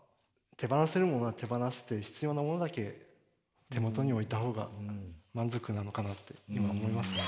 手放せるものは手放して必要なものだけ手元に置いた方が満足なのかなって今思いますね。